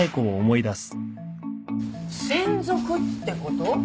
専属ってこと？